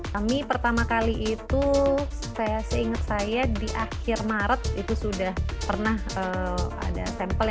kami pertama kali itu seingat saya di akhir maret itu sudah pernah ada sampel ya